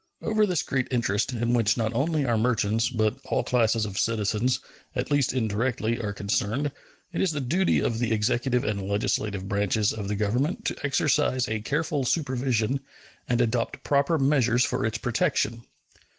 Over this great interest, in which not only our merchants, but all classes of citizens, at least indirectly, are concerned, it is the duty of the executive and legislative branches of the Government to exercise a careful supervision and adopt proper measures for its protection.